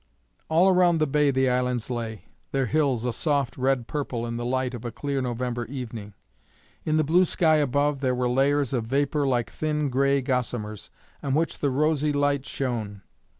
All around the bay the islands lay, their hills a soft red purple in the light of a clear November evening. In the blue sky above there were layers of vapour like thin gray gossamers, on which the rosy light shone.